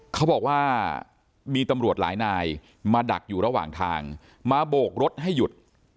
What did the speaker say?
เขาบอกว่ามีตำรวจหลายนายมาดักอยู่ระหว่างทางมาโบกรถให้หยุด